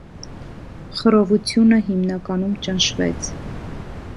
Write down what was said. Խռովությունը հիմնականում ճնշվեց։